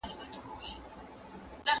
پر مزار به مي څراغ د میني بل وي